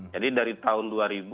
jadi dari tahun dua ribu satu